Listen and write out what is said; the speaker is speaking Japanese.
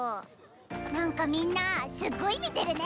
何かみんなすっごい見てるね。